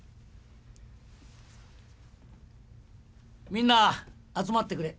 みんな集まってくれ。